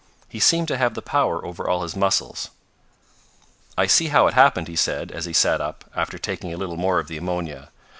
He seemed to have the power over all his muscles. "I see how it happened," he said, as he sat up, after taking a little more of the ammonia.